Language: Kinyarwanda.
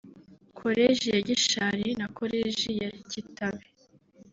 Koleji ya Gishari na Koleji ya Kitabi